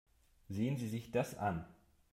Sehen Sie sich das an.